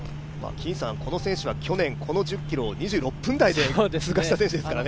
この選手は去年、この１０ｋｍを２６分台を通過した選手ですからね。